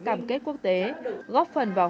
cam kết quốc tế góp phần vào